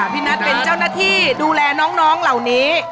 พี่นัทเป็นเจ้าหน้าที่ดูแลน้องเหล่านี้